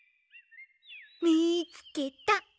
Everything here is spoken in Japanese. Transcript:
みつけた！